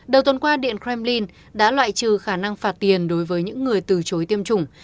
đầu tuần qua điện kremlin đã loại trừ khả năng phạt tiền đối với những người từ chối tiêm chủng